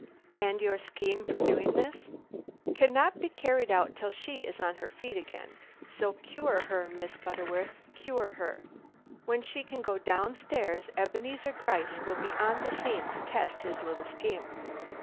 "And your scheme for doing this?" "Cannot be carried out till she is on her feet again. So cure her, Miss Butterworth, cure her. When she can go down stairs, Ebenezer Gryce will be on the scene to test his little scheme."